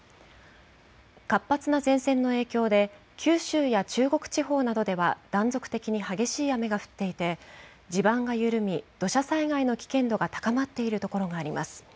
活発な前線の影響で、九州や中国地方などでは断続的に激しい雨が降っていて、地盤が緩み、土砂災害の危険度が高まっている所があります。